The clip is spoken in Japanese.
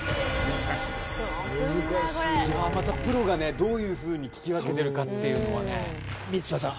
・どうすんだこれまたプロがねどういうふうに聞き分けてるかっていうのはね満島さん